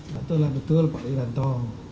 itu adalah betul pak miranto